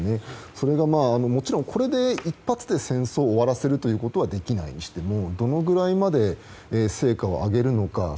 それがもちろん、一発で戦争を終わらせることはできないにしてもどのぐらいまで成果を上げるのか。